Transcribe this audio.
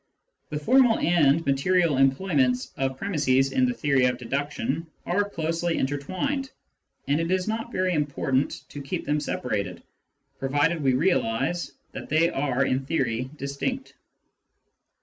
The formal and material employments of premisses in the theory of deduction are closely intertwined, and it is not very important to keep them separated, provided we realise that they are in theory distinct.